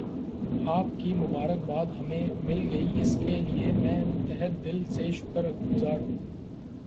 آپ کی مبارک باد ہمیں مل گئی اس کے لئے میں تہہ دل سے شکر گزار ہوں